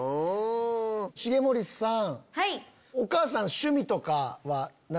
重盛さん。